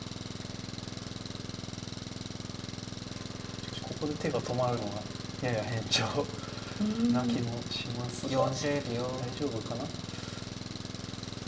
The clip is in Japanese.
しかしここで手が止まるのはやや変調な気もしますが大丈夫かな？